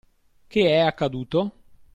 Che è accaduto?